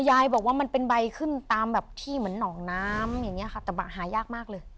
ยายบอกว่ามันเป็นใบขึ้นตามแบบที่เหมือนหนองน้ำอย่างเงี้ค่ะแต่บะหายากมากเลย